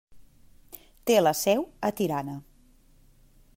Té la seu a Tirana.